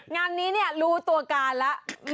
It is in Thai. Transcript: งานนี้เนี่ยรู้ตัวการละ